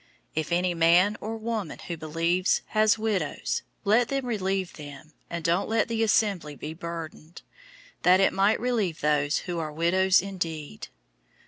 005:016 If any man or woman who believes has widows, let them relieve them, and don't let the assembly be burdened; that it might relieve those who are widows indeed.